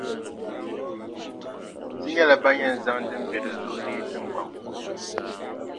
Ti nyɛla ban yɛn zaŋ din be di zuɣu leei tiŋgbani kuŋ.